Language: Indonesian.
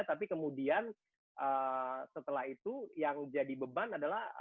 tapi kemudian setelah itu yang jadi beban adalah